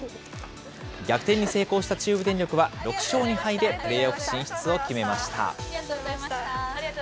逆転に成功した中部電力は６勝２敗でプレーオフ進出を決めました。